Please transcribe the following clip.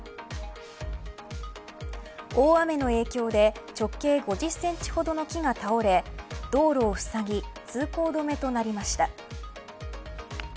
大雨の影響で直径５０センチほどの木が倒れ道路をふさぎ通行止めとなりました。